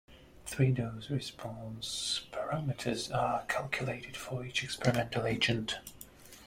Three dose response parameters are calculated for each experimental agent.